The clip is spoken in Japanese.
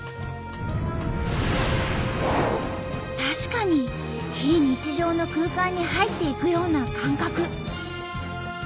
確かに非日常の空間に入っていくような感覚。